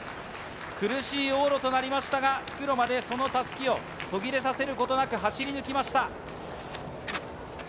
苦しい往路となりましたが、復路までその襷を途切れさせることなく走り抜きました。